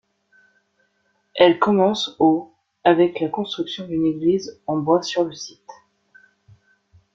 Elle commence au avec la construction d'une église en bois sur le site.